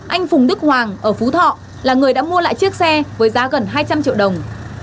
anh phùng đức hoàng ở phú thọ là người đã mua lại chiếc xe với giá gần hai trăm linh triệu đồng